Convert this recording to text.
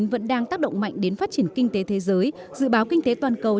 vẫn đang tác động mạnh đến phát triển kinh tế thế giới dự báo kinh tế toàn cầu